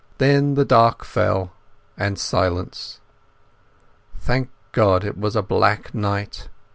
Then the dark fell, and silence. Thank God it was a black night.